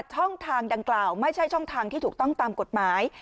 ช่องทางดังกล่าวไม่ใช่ช่องทางที่ถูกต้องตามกฎหมาย